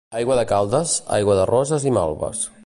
Aigua de Caldes, aigua de roses i malves.